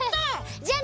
じゃあね！